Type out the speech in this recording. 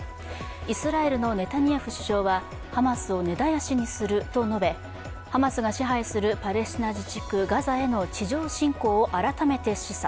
イスラエルのネタニヤフ首相はハマスを根絶やしにすると述べハマスが支配するパレスチナ自治区ガザへの地上侵攻を改めて示唆。